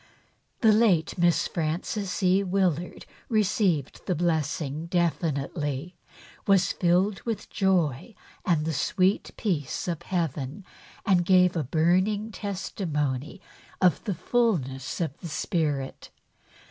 The late Miss Frances E. Willard received the blessing definitely, was filled with joy and the sweet peace of Heaven and gave a burning testimony of the fulness of the Spirit.